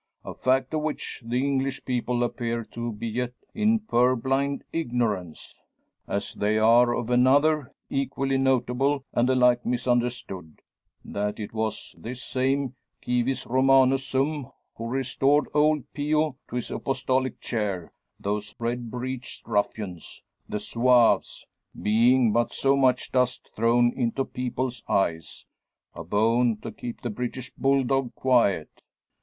A fact of which the English people appear to be yet in purblind ignorance! As they are of another, equally notable, and alike misunderstood: that it was this same civis Romanus sum who restored old Pio to his apostolic chair; those red breeched ruffians, the Zouaves, being but so much dust thrown into people's eyes a bone to keep the British bull dog quiet.